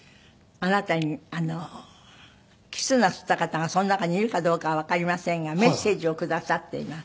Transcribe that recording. あなたにキスなすった方がその中にいるかどうかはわかりませんがメッセージをくださっています。